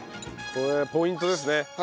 これポイントですね。